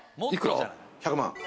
１００万。